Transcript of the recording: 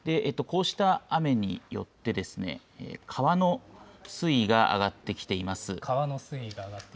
こうした雨によって、川の水位が上がってきています。